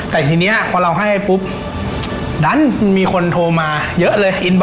แต่ทีนี้พอเราให้ปุ๊บดันมีคนโทรมาเยอะเลย